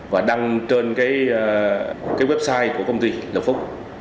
và đăng trên website của công ty lộc phúc